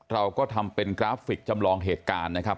เราก็ทำเป็นกราฟิกจำลองเหตุการณ์นะครับ